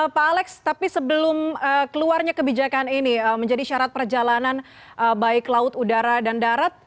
pak alex tapi sebelum keluarnya kebijakan ini menjadi syarat perjalanan baik laut udara dan darat